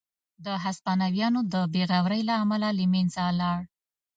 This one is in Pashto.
د هسپانویانو د بې غورۍ له امله له منځه لاړ.